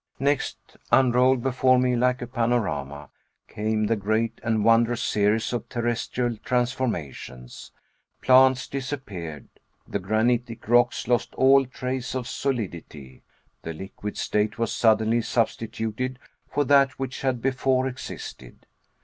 Next, unrolled before me like a panorama, came the great and wondrous series of terrestrial transformations. Plants disappeared; the granitic rocks lost all trace of solidity; the liquid state was suddenly substituted for that which had before existed.